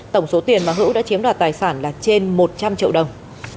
tổng số tiền mà hữu đã chiếm đoạt tài sản là trên một trăm linh triệu đồng